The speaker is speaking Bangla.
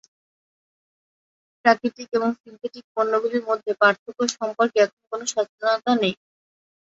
প্রাকৃতিক এবং সিন্থেটিক পণ্যগুলির মধ্যে পার্থক্য সম্পর্কে এখনও কোনো সচেতনতা নেই।